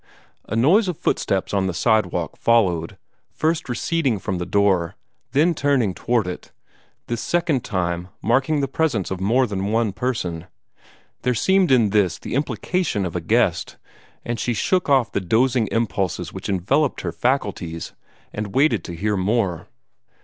A noise of footsteps on the sidewalk followed, first receding from the door, then turning toward it, this second time marking the presence of more than one person. There seemed in this the implication of a guest, and she shook off the dozing impulses which enveloped her faculties, and waited to hear more.